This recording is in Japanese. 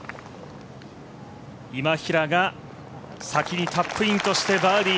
今平が先にタップインとしてバーディー。